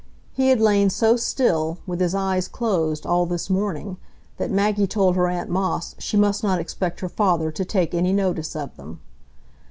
He had lain so still, with his eyes closed, all this morning, that Maggie told her aunt Moss she must not expect her father to take any notice of them.